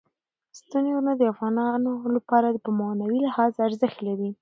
ستوني غرونه د افغانانو لپاره په معنوي لحاظ ارزښت لري.